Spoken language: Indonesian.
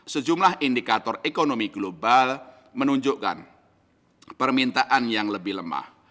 sejumlah indikator ekonomi global menunjukkan permintaan yang lebih lemah